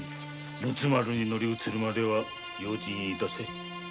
陸奥丸に乗り移るまでは用心いたせ。